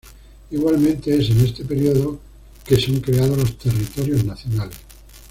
Igualmente es en este periodo que son creados los "territorios nacionales".